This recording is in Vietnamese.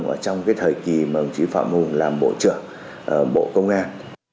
và đã thành công trong thời kỳ mà đồng chí phạm hùng làm bộ trưởng bộ công an